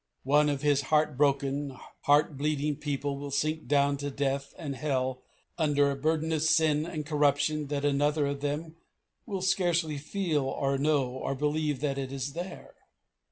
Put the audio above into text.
One of His heart broken, heart bleeding people will sink down to death and hell under a burden of sin and corruption that another of them will scarcely feel or know or believe that it is there.